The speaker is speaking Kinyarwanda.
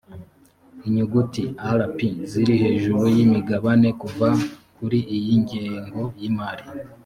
inyuguti lp ziri hejuru y imibare kuva kuri iyi ngengo yimari